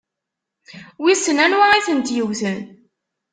Wissen anwa i tent-yewwten?